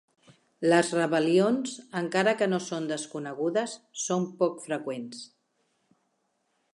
Las rebel·lions, encara que no són desconegudes, són poc freqüents.